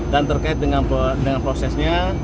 dan terkait dengan prosesnya